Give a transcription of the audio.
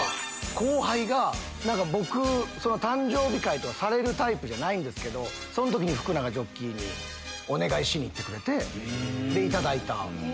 後輩が僕誕生日会とかされるタイプじゃないですけどそん時に福永ジョッキーにお願いしに行ってくれて頂いた。